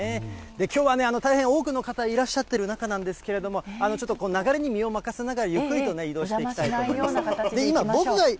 きょうはね、大変多くの方、いらっしゃってる中なんですけれども、ちょっと流れに身を任せながら、ゆっくりとね、移動していきたいと思います。